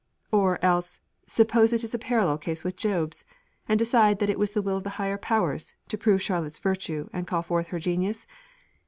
Or, else, suppose it a parallel case with Job's: and decide that it was the will of the Higher Powers to prove Charlotte's virtue and to call forth her genius?